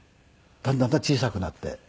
だんだんと小さくなって。